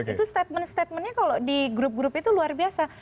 itu statement statementnya kalau di grup grup itu luar biasa